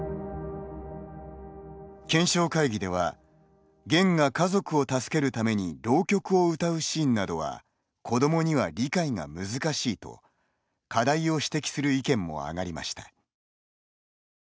検証会議ではゲンが家族を助けるために浪曲を歌うシーンなどは子どもには理解が難しいと課題を指摘する意見もあがりました。